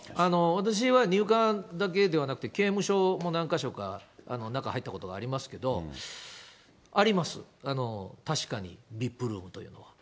私は入管だけではなくて、刑務所も何か所か中、入ったことありますけど、あります、確かに、ＶＩＰルームというのは。